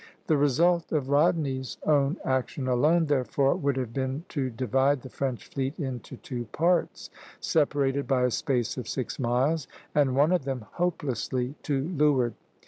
The result of Rodney's own action alone, therefore, would have been to divide the French fleet into two parts, separated by a space of six miles, and one of them hopelessly to leeward.